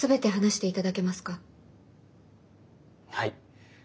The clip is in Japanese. はい。